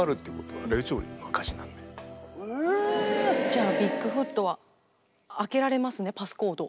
じゃあビッグフットは開けられますねパスコード。